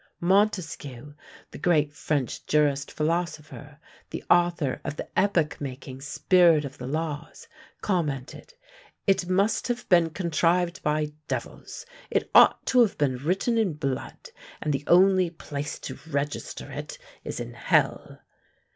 Montesquieu, the great French jurist philosopher, the author of the epoch making Spirit of the Laws, commented: "It must have been contrived by devils; it ought to have been written in blood; and the only place to register it is in hell."